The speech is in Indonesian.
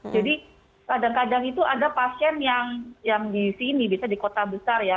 jadi kadang kadang itu ada pasien yang di sini bisa di kota besar ya